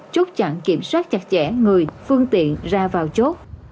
chốt chặn kiểm soát chặt chẽ người phương tiện ra vào chốt